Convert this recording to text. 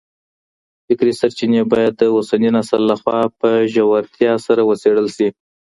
فکري سرچينې بايد د اوسني نسل له خوا په ژورتيا سره وڅېړل سي.